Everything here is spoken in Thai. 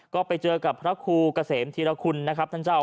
ก็ไปเจอกับพระครูเกษมธีรคุณนะครับท่านเจ้า